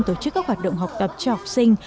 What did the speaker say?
tổ chức các hoạt động học tập cho học sinh